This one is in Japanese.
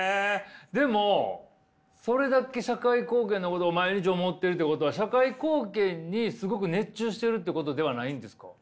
でもそれだけ社会貢献のことを毎日思っているってことは社会貢献にすごく熱中しているってことではないんですか？